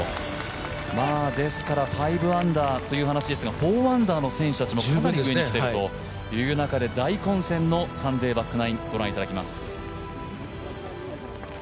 ですから５アンダーという話ですが４アンダーの選手たちもかなり上に来ているという中で大混戦のサンデーバックナイン、ご覧いただきます。